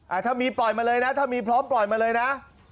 ถ้ามีปล่อยมาเลยนะถ้ามีพร้อมปล่อยมาเลยนะ